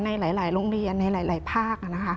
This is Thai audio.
ในหลายโรงเรียนในหลายภาค